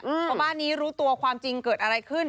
เพราะบ้านนี้รู้ตัวความจริงเกิดอะไรขึ้น